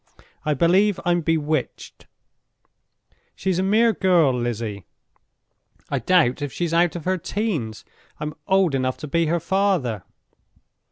I believe I'm bewitched. She's a mere girl, Lizzie—I doubt if she's out of her teens—I'm old enough to be her father.